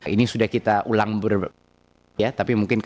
ini sudah kita ulang